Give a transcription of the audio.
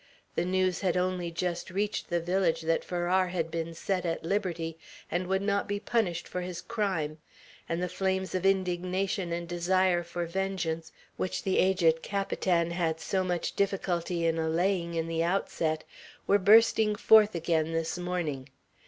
The news had only just reached the village that Farrar had been set at liberty, and would not be punished for his crime, and the flames of indignation and desire for vengeance, which the aged Capitan had so much difficulty in allaying in the outset, were bursting forth again this morning.